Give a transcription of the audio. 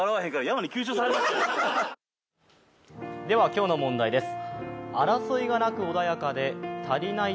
今日の問題です。